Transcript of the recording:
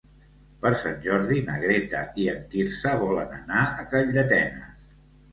Per Sant Jordi na Greta i en Quirze volen anar a Calldetenes.